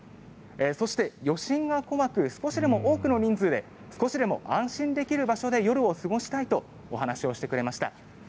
そして、余震が怖く少しでも多くの人数で少しでも安心できる場所で夜を過ごしたいとお話をしてくれました。